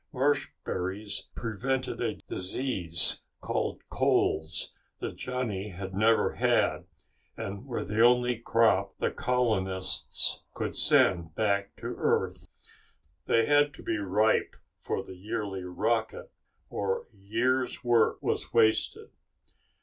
Marshberries prevented a disease called colds that Johnny had never had, and were the only crop the colonists could send back to Earth. They had to be ripe for the yearly rocket or a year's work was wasted.